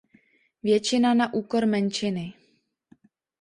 Většina na úkor menšiny.